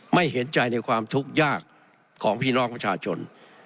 เห็นใจในความทุกข์ยากของพี่น้องประชาชน